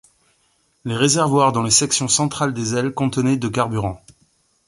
Les réservoirs dans les sections centrales des ailes contenaient de carburant.